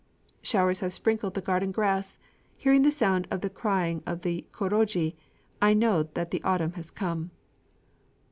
["Showers have sprinkled the garden grass. Hearing the sound of the crying of the kōrogi, I know that the autumn has come."